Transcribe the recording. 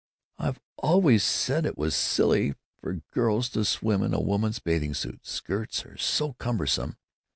I've always said it was silly for girls to swim in a woman's bathing suit. Skirts are so cumbersome.